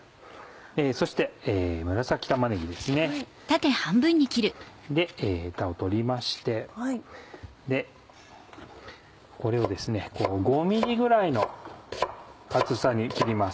そして紫玉ねぎヘタを取りましてこれを５ｍｍぐらいの厚さに切ります。